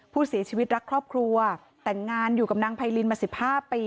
ผู้เสียชีวิตรักครอบครัวแต่งงานอยู่กับนางไพรินมา๑๕ปี